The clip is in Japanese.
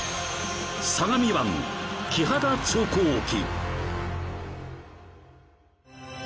相模湾キハダ釣行記